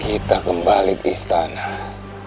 putraku berbicara pada kingdoms great black sd